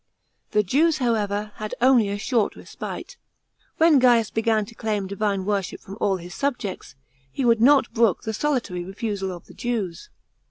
The Jews, however, had only a short respite. When Gaius began to claim divine worship from all his subjects, he would not brook the solitary refusal of the Jews.